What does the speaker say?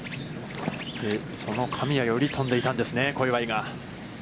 その神谷より飛んでいたんですね、小祝が。